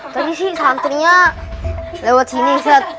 tadi sih santrinya lewat sini